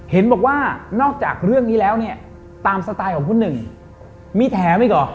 เห็นบอกว่านอกจากเรื่องนี้แล้วเนี่ยตามสไตล์ของคุณหนึ่งมีแถมอีกเหรอ